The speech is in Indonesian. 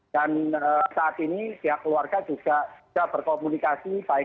dan saat ini pihak keluarga juga berkomunikasi